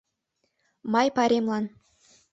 Май пайремлан.